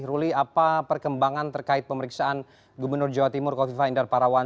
ruli apa perkembangan terkait pemeriksaan gubernur jawa timur kofifa indar parawan